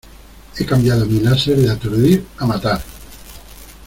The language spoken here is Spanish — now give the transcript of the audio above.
He cambiado mi láser de aturdir a matar.